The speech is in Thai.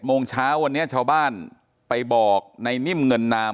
๗โมงเช้าชาวบ้านไปบอกในนิ่มเงินนาม